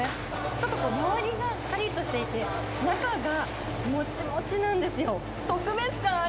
ちょっと周りがかりっとしていて、中がもちもちなんですよ。